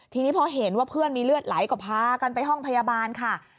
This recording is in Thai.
ทีนี้พอเห็นว่าเพื่อนมีเลือดไหลก็พากันไปห้องพยาบาลค่ะ